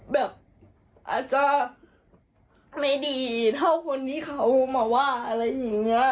แบบอาจจะไม่ดีเท่าคนที่เขามาว่าอะไรอย่างนี้